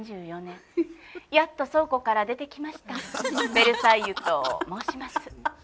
ベルサイユと申します。